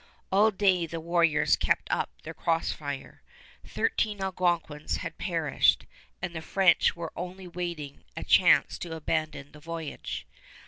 All day the warriors kept up their cross fire. Thirteen Algonquins had perished, and the French were only waiting a chance to abandon the voyage.